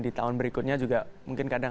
di tahun berikutnya juga mungkin kadang